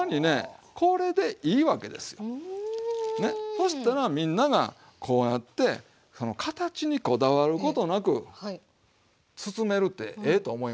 そしたらみんながこうやって形にこだわることなく包めるってええと思いません？